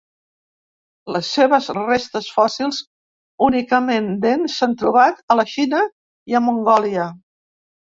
Les seves restes fòssils, únicament dents, s'han trobat a la Xina i a Mongòlia.